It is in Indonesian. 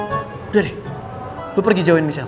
div udah deh lu pergi jauhin misal